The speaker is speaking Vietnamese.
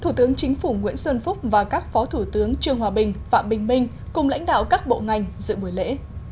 thủ tướng chính phủ nguyễn xuân phúc và các phó thủ tướng trương hòa bình phạm bình minh cùng lãnh đạo các bộ ngành dự buổi lễ